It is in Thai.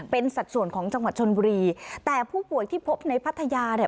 เป็นสัดส่วนของจังหวัดชนบุรีแต่ผู้ป่วยที่พบในพัทยาเนี่ย